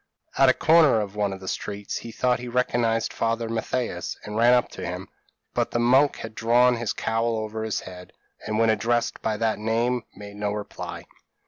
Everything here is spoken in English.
At a corner of one of the streets, he thought he recognised Father Mathias, and ran up to him; but the monk had drawn his cowl over his head, and when addressed by that name, made no reply.